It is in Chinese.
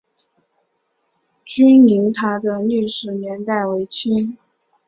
君灵塔的历史年代为清。